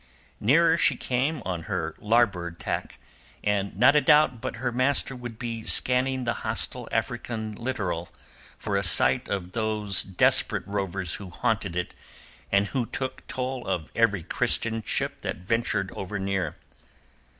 Nearer she came on her larboard tack, and not a doubt but her master would be scanning the hostile African littoral for a sight of those desperate rovers who haunted it and who took toll of every Christian ship that ventured over near.